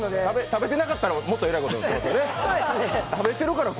食べてなかったら、もっとエラいことになってるね。